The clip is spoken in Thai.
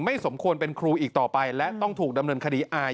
ไม่สมควรเป็นครูอีกต่อไป